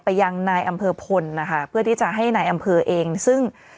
ยังนายอำเภอพลนะคะเพื่อที่จะให้นายอำเภอเองซึ่ง